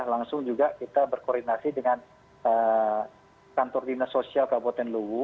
langsung juga kita berkoordinasi dengan kantor dinas sosial kabupaten luwu